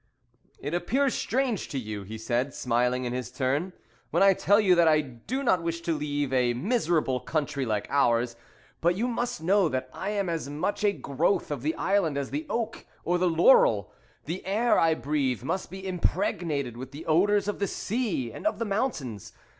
"It appears strange to you," he said, smiling in his turn, "when I tell you that I do not wish to leave a miserable country like ours; but you must know that I am as much a growth of the island as the oak or the laurel; the air I breathe must be impregnated with the odours of the sea and of the mountains.